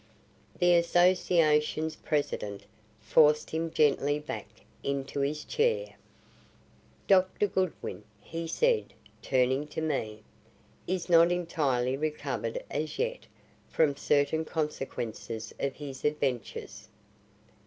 The Association's President forced him gently back into his chair. "Dr. Goodwin," he said, turning to me, "is not entirely recovered as yet from certain consequences of his adventures.